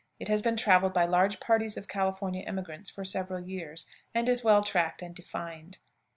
It has been traveled by large parties of California emigrants for several years, and is well tracked and defined.